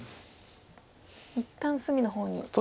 一旦隅の方に。